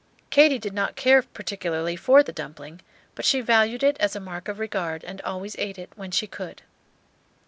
Katy did not care particularly for the dumpling, but she valued it as a mark of regard, and always ate it when she could.